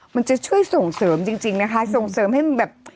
มันจะช่วยส่งเสริมจริงนะคะส่งเสริมให้มันแบบ